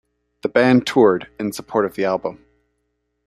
The band toured in support of the album.